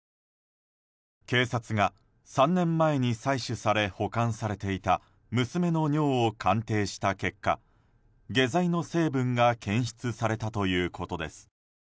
警察が３年前に採取され保管されていた娘の尿を鑑定した結果、下剤の成分が検出されたということです。